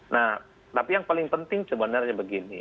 nah tapi yang paling penting sebenarnya begini